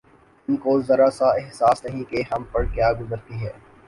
ان کو ذرا سا احساس نہیں کہ ہم پر کیا گزرتی ہے